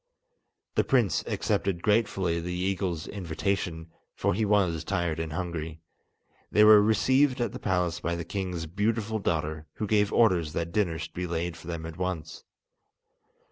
The prince accepted gratefully the eagle's invitation, for he was tired and hungry. They were received at the palace by the king's beautiful daughter, who gave orders that dinner should be laid for them at once.